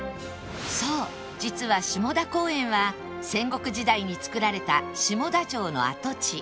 そう実は下田公園は戦国時代に造られた下田城の跡地